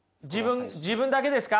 自分だけですか？